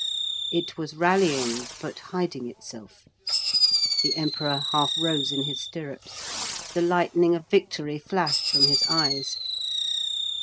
It was rallying, but hiding itself. The Emperor half rose in his stirrups. The lightning of victory flashed from his eyes.